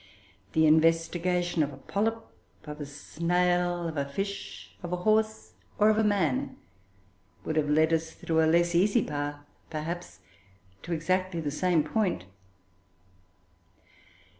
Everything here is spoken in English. The investigation of a polype, of a snail, of a fish, of a horse, or of a man, would have led us, though by a less easy path, perhaps, to exactly the same point.